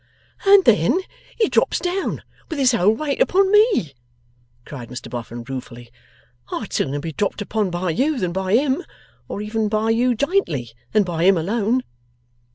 'And then he drops down with his whole weight upon ME!' cried Mr Boffin, ruefully. 'I'd sooner be dropped upon by you than by him, or even by you jintly, than by him alone!